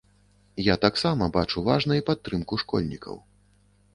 Я таксама бачу важнай падтрымку школьнікаў.